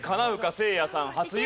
せいやさん初優勝へ。